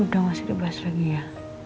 udah masih bebas lagi ya